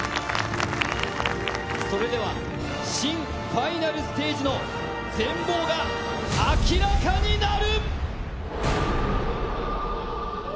それでは、新ファイナルステージの全貌が明らかになる！